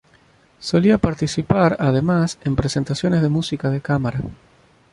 Solía participar, además, en presentaciones de música de cámara.